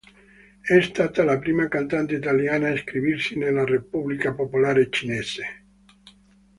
È stata la prima cantante italiana a esibirsi nella Repubblica Popolare Cinese.